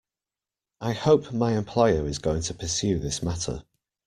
I hope my employer is going to pursue this matter.